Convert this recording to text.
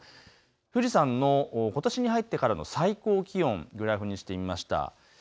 富士山のことしに入ってからの最高気温、グラフにしてみました。